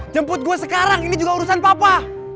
jemput gue sekarang ini juga urusan papa